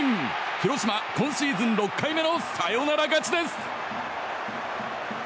広島、今シーズン６回目のサヨナラ勝ちです！